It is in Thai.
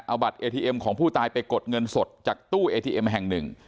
เอาบัตรเอทีเอ็มของผู้ตายไปกดเงินสดจากตู้เอทีเอ็มแห่งหนึ่ง